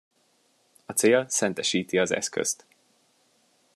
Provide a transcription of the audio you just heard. A cél szentesíti az eszközt.